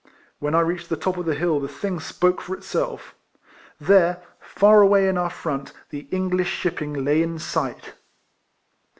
When I reached the top of the hill the thing spoke for itself. There, far away in our front, the English shipping lay in sight.